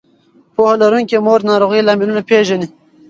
پوهه لرونکې مور د ناروغۍ لاملونه پېژني.